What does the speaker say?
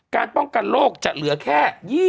การป้องกันโรคจะเหลือแค่๒๐